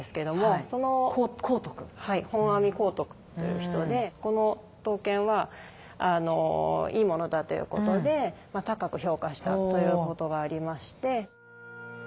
本阿弥光徳という人でこの刀剣はいいものだということで高く評価したということがありまして。